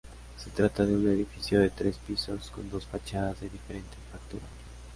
Se trata de un edificio de tres pisos con dos fachadas de diferente factura.